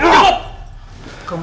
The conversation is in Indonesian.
hai apa lihat ya